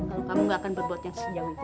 kalau kamu ga akan berbuat yang senjam itu ya